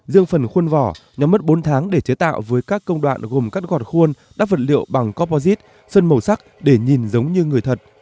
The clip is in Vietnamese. dương phần khuôn vỏ nhóm mất bốn tháng để chế tạo với các công đoạn gồm các gọt khuôn đắp vật liệu bằng composite sơn màu sắc để nhìn giống như người thật